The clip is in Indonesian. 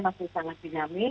masih sangat dinamis dan